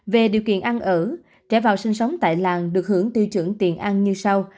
về điều kiện ăn ở trẻ vào sinh sống tại làng được hưởng tiêu chuẩn tiền ăn như sau